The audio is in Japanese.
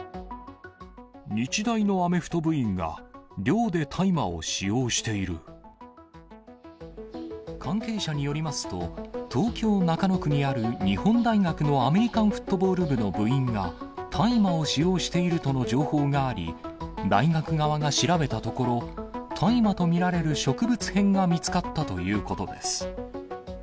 日大のアメフト部員が寮で大関係者によりますと、東京・中野区にある日本大学のアメリカンフットボール部の部員が、大麻を使用しているとの情報があり、大学側が調べたところ、大麻と見られる植物片が見つかったということです。